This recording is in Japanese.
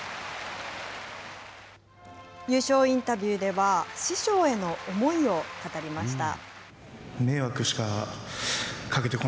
優勝インタビューでは、師匠への思いを語りました。